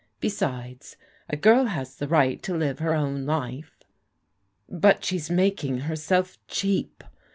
Besides, a girl has the right to live her own life." ''But she's making herself cheap.